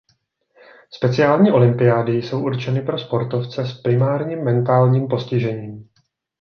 Speciální olympiády jsou určeny pro sportovce s primárním mentálním postižením.